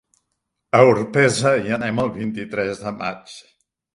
A Orpesa hi anem el vint-i-tres de maig.